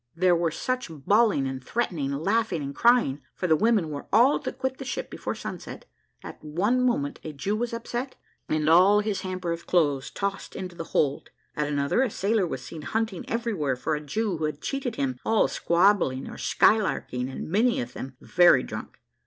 There were such bawling and threatening, laughing and crying for the women were all to quit the ship before sunset at one moment a Jew was upset, and all his hamper of clothes tossed into the hold; at another, a sailor was seen hunting everywhere for a Jew who had cheated him all squabbling or skylarking, and many of them very drunk.